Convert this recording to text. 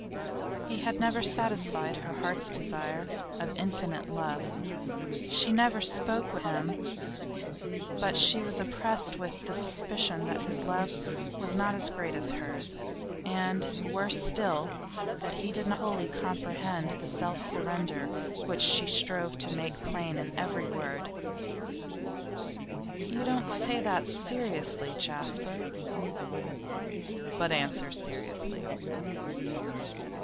He had never satisfied her heart's desire of infinite love; she never spoke with him but she was oppressed with the suspicion that his love was not as great as hers, and, worse still, that he did not wholly comprehend the self surrender which she strove to make plain in every word. 'You don't say that seriously, Jasper?' 'But answer seriously.